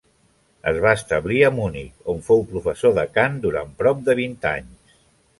Es va establir a Munic, on fou professor de cant durant prop de vint anys.